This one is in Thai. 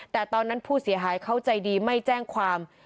แต่ตอนนั้นผู้เสียหายเขาใจดีไม่แจ้งความ